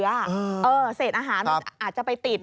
เศษอาหารมันอาจจะไปติด